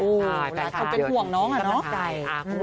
อู้วเขาเป็นห่วงน้องอ่ะเนาะ